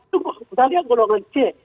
itu kembali yang golongan c